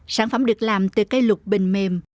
sản phẩm được làm từ cây lục bình mềm